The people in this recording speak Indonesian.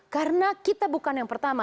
karena kita bukan yang pertama